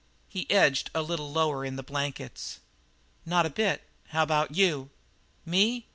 He edged a little lower in the blankets. "Not a bit. How about you?" "Me?